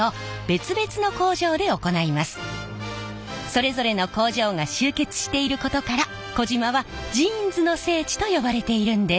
それぞれの工場が集結していることから児島は「ジーンズの聖地」と呼ばれているんです！